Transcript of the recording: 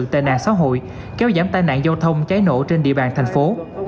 tệ nạn xã hội kéo giảm tai nạn giao thông cháy nổ trên địa bàn thành phố